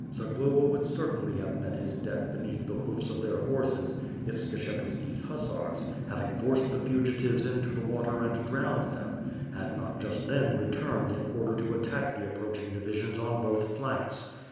Zagloba would certainly have met his death beneath the hoofs of their horses, if Skshetuski's hussars, having forced the fugitives into the water and drowned them, had not just then re turned in order to attack the approaching divisions on both flanks.